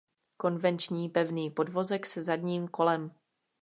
Konvenční pevný podvozek se zadním kolem.